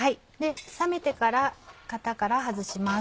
冷めてから型から外します。